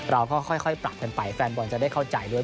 เราก็ค่อยปรับกันไปแฟนบอลจะได้เข้าใจด้วย